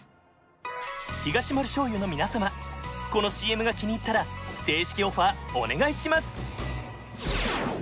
このＣＭが気に入ったら正式オファーお願いします